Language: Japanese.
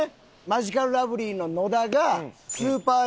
マヂカルラブリーの野田が『スーパー